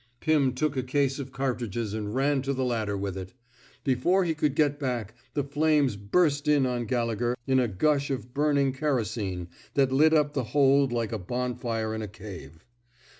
'* Pim took a case of cartridges and ran to the ladder with it. Before he could get back, the flames burst in on Gallegher in a gush of burning kerosene that lit up the hold like a bonfire in a cave.